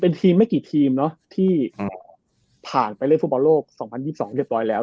เป็นทีมไม่กี่ทีมเนอะที่ผ่านไปเล่นฟุ่มป่าวโลก๒๐๒๒๑๗๐๐แล้ว